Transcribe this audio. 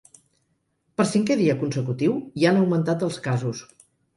Per cinquè dia consecutiu, hi han augmentat els casos.